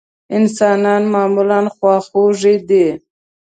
انسانان معمولا خواخوږي دي.